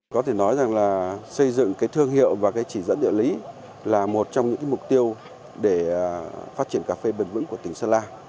có thể nói rằng là xây dựng cái thương hiệu và cái chỉ dẫn địa lý là một trong những mục tiêu để phát triển cà phê bền vững của tỉnh sơn la